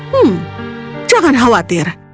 hmm jangan khawatir